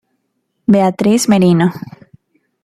Beatriz Merino.